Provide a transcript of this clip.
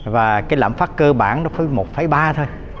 và cái lãm phát cơ bản nó với một ba thôi